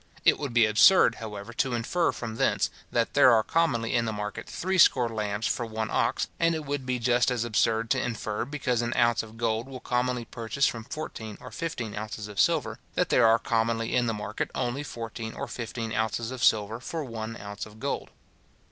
It would be absurd, however, to infer from thence, that there are commonly in the market three score lambs for one ox; and it would be just as absurd to infer, because an ounce of gold will commonly purchase from fourteen or fifteen ounces of silver, that there are commonly in the market only fourteen or fifteen ounces of silver for one ounce of gold.